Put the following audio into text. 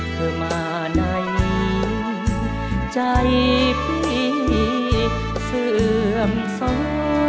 เคยมาในนี้ใจพี่เสื่อมโส